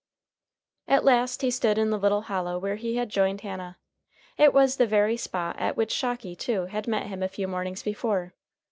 At last he stood in the little hollow where he had joined Hannah. It was the very spot at which Shocky, too, had met him a few mornings before.